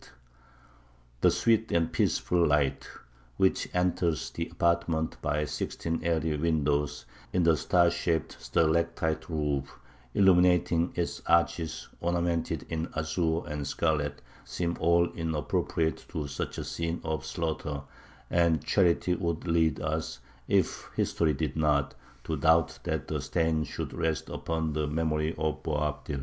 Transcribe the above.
The sweet and peaceful light which enters the apartment by sixteen airy windows in the star shaped stalactite roof, illuminating its arches ornamented in azure and scarlet, seem all inappropriate to such a scene of slaughter, and charity would lead us, if history did not, to doubt that the stain should rest upon the memory of Boabdil.